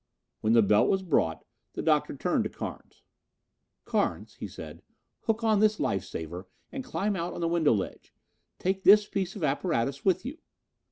When the belt was brought, the Doctor turned to Carnes. "Carnes," he said, "hook on this life saver and climb out on the window ledge. Take this piece of apparatus with you."